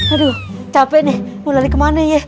aduh capek nih mau lari kemana yeh